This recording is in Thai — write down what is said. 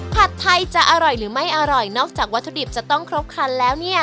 ผัดไทยจะอร่อยหรือไม่อร่อยนอกจากวัตถุดิบจะต้องครบครันแล้วเนี่ย